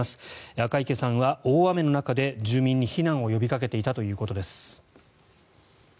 赤池さんは大雨の中で住民に避難を呼びかけていたということです。